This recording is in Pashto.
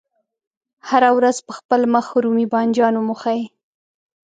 هره ورځ په خپل مخ رومي بانجان وموښئ.